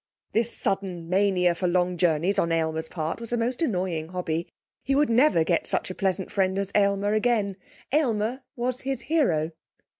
This sudden mania for long journeys on Aylmer's part was a most annoying hobby. He would never get such a pleasant friend as Aylmer again. Aylmer was his hero.